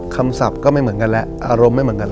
ศัพท์ก็ไม่เหมือนกันแล้วอารมณ์ไม่เหมือนกัน